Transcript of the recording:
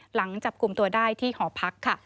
หลังจับกลุ่มตัวได้ที่หอพักค่ะ